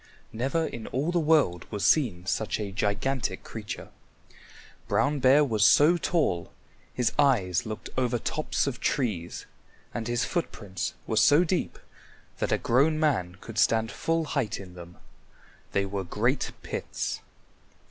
Never in all the world was seen such a gigantic creature. Brown Bear was so tall his eyes looked over tops of trees, and his footprints were so deep that a grown man could stand full height in them. They were great pits.